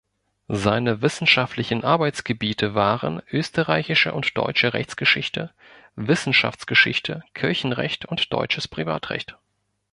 Seine wissenschaftlichen Arbeitsgebiete waren österreichische und deutsche Rechtsgeschichte, Wissenschaftsgeschichte, Kirchenrecht und deutsches Privatrecht.